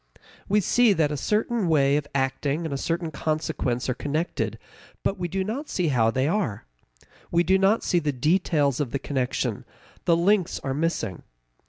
We see that a certain way of acting and a certain consequence are connected, but we do not see how they are. We do not see the details of the connection; the links are missing.